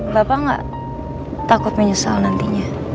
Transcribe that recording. bapak nggak takut menyesal nantinya